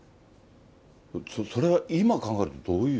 それは、今考えると、どういう？